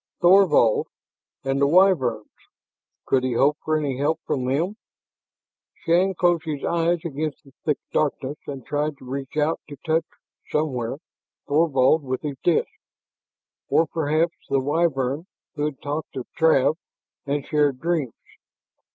Thorvald and the Wyverns! Could he hope for any help from them? Shann closed his eyes against the thick darkness and tried to reach out to touch, somewhere, Thorvald with his disk or perhaps the Wyvern who had talked of Trav and shared dreams.